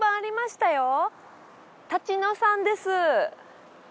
たち野さんです。